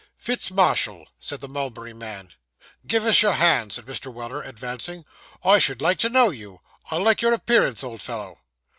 'Fitz Marshall,' said the mulberry man. 'Give us your hand,' said Mr. Weller, advancing; 'I should like to know you. I like your appearance, old fellow.